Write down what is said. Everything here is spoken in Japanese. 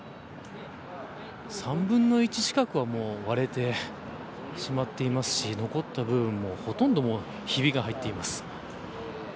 ３分の１近くは割れてしまっていますし残った部分も、ほとんどひびが入っています。